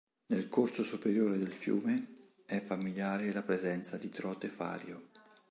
Nel corso superiore del fiume è famigliare la presenza di trote fario.